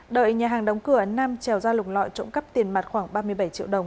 đợi nhà hàng đóng cửa nam treo ra lục lọi trộm cắp tiền mặt khoảng ba mươi bảy triệu đồng